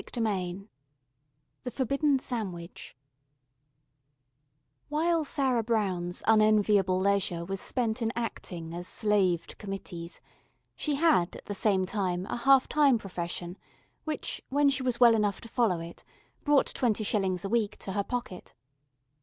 CHAPTER IV THE FORBIDDEN SANDWICH While Sarah Brown's unenviable leisure was spent in acting as slave to committees, she had at the same time a half time profession which, when she was well enough to follow it, brought twenty shillings a week to her pocket.